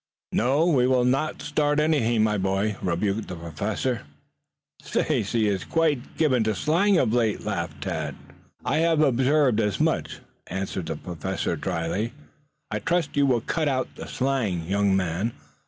"No, we will not start anything, my boy," rebuked the Professor. "Stacy is quite given to slang of late," laughed Tad. "I have observed as much," answered the Professor dryly. "I trust you will cut out slang, young man."